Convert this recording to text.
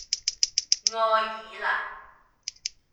愛爾蘭